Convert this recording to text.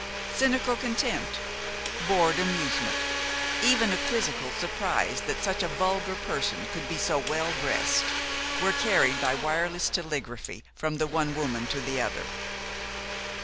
Cynical contempt, bored amusement, even a quizzical surprise that such a vulgar person could be so well dressed, were carried by wireless telegraphy from the one woman to the other.